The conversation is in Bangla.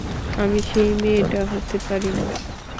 আমি সেই মেয়েটা হতে পারি না!